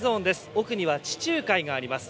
奥には地中海があります。